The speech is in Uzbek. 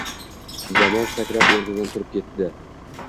Jamol sakrab o`rnidan turib ketdi